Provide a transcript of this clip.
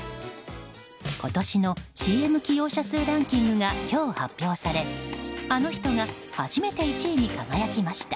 今年のＣＭ起用社数ランキングが今日発表されあの人が初めて１位に輝きました。